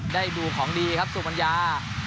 ได้ดูของดีครับสูบบรรยา